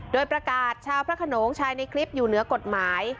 โดยประกาศชาวพระขนงชายในคลิปอยู่เหนือกฎหมาย